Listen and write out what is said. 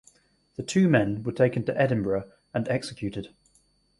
The two men were taken to Edinburgh and executed.